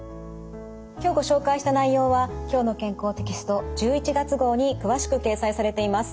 今日ご紹介した内容は「きょうの健康」テキスト１１月号に詳しく掲載されています。